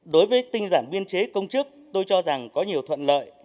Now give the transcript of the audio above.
đối với tinh giản biên chế công chức tôi cho rằng có nhiều thuận lợi